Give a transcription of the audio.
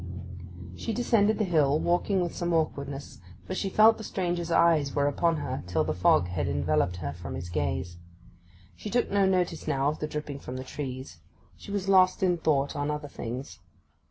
She descended the hill, walking with some awkwardness; for she felt the stranger's eyes were upon her till the fog had enveloped her from his gaze. She took no notice now of the dripping from the trees; she was lost in thought on other things.